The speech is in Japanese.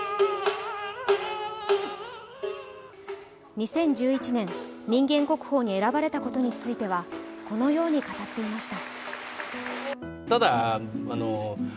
２０１１年、人間国宝に選ばれたことについてはこのように語っていました。